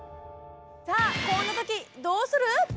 さあこんな時どうする？